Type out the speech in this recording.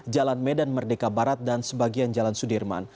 jalan medan merdeka barat dan sebagian jalan sudirman